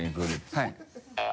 はい。